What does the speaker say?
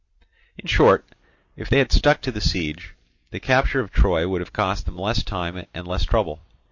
In short, if they had stuck to the siege, the capture of Troy would have cost them less time and less trouble.